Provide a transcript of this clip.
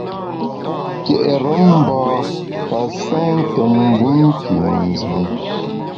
Ke’re mbâ ka sente mbum nkünzùm.